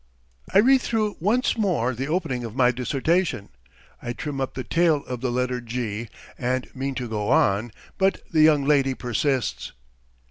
I read through once more the opening of my dissertation, I trim up the tail of the letter "g" and mean to go on, but the young lady persists.